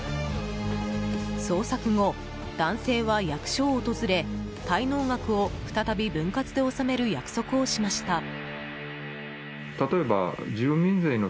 捜索後、男性は役所を訪れ滞納額を再び分割で納める約束をしました。